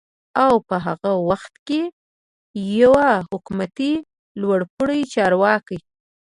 او په هغه وخت کې يوه حکومتي لوړپوړي چارواکي